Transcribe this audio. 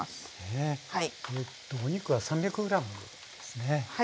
えっとお肉は３００ｇですね。